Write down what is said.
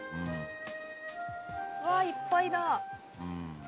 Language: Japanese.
うわいっぱいだ。